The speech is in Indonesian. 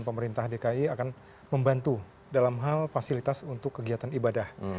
pemerintah dki akan membantu dalam hal fasilitas untuk kegiatan ibadah